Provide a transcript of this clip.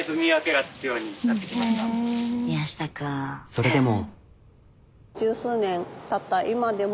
それでも。